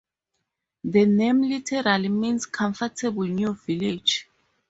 The name literally means Comfortable New Village.